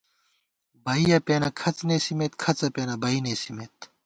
بئیَہ پېنہ کھڅ نېسِمېت ، کھڅَہ پېنہ بئ نېسِمېت